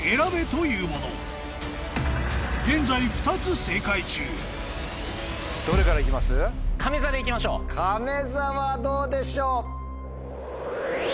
現在２つ正解中かめ座はどうでしょう？